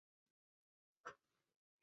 Таков е животот на сините беровски сливи.